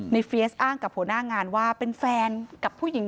เฟียสอ้างกับหัวหน้างานว่าเป็นแฟนกับผู้หญิง